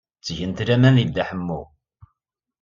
Ttgent laman deg Dda Ḥemmu.